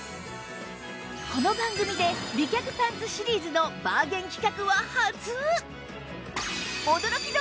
この番組で美脚パンツシリーズのバーゲン企画は初！